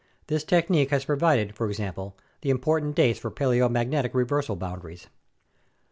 This technique has pro vided, for example, the important dates for paleomagnetic reversal boundaries.